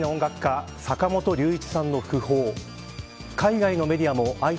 世界的な音楽家坂本龍一さんの訃報